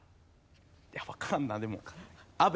いやわからんなでも。